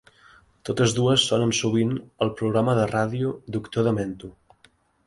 Totes dues sonen sovint al programa de ràdio "Doctor Demento".